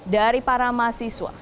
dari para mahasiswa